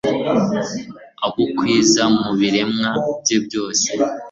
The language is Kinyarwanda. abukwiza mu biremwa bye byose